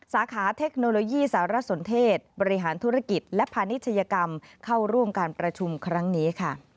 สาขาเทคโนโลยีสารสนเทศบริหารธุรกิจและพาณิชยกรรมเข้าร่วมการประชุมครั้งนี้ค่ะ